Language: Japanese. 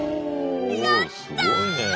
やった！